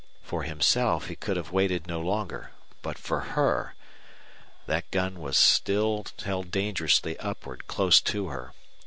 For himself he could have waited no longer. But for her! That gun was still held dangerously upward close to her.